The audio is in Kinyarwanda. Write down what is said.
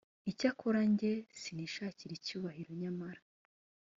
icyakora jye sinishakira icyubahiro nyamara